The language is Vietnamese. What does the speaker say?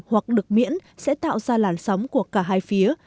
hoặc được miễn sẽ tạo ra làn sóng của cả hai phía